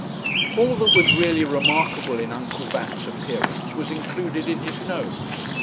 All that was really remarkable in Uncle Bat's appearance was included in his nose.